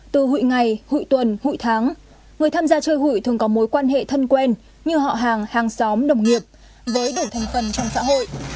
từ hụi ngày hội tuần hụi tháng người tham gia chơi hụi thường có mối quan hệ thân quen như họ hàng hàng xóm đồng nghiệp với đủ thành phần trong xã hội